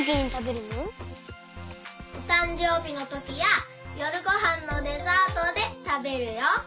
おたんじょうびのときやよるごはんのデザートでたべるよ。